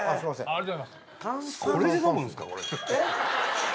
これで飲むんすか？